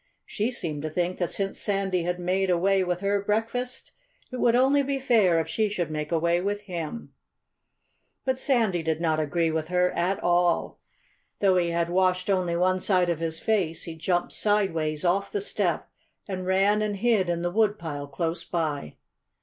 She seemed to think that since Sandy had made away with her breakfast it would be only fair if she should make away with him. [Illustration: Farmer Green's Cat Leaped Out of the Doorway] But Sandy did not agree with her at all. Though he had washed only one side of his face, he jumped sideways off the step and ran and hid in the woodpile close by.